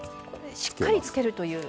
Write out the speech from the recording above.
しっかりつけるという。